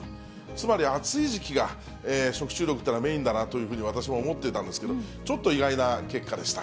つまり暑い時期が食中毒というのはメインだなというふうに、私も思ってたんですけど、ちょっと意外な結果でした。